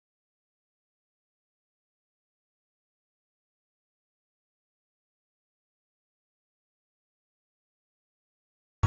jangan dan sampai jumpa